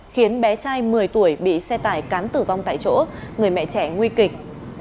khiến bé trai một mươi tuổi bị xe tải cán tử vong tại chỗ người mẹ trẻ nguy kịch